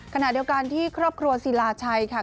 ขณะเดียวกันที่ครอบครัวศิลาชัยค่ะ